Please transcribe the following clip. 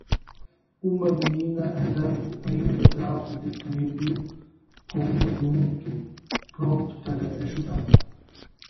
Uma menina andando em uma trave de equilíbrio com um adulto pronto para ajudar